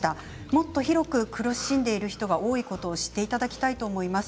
もっと広く苦しんでいる人が多いことを知っていただきたいと思います。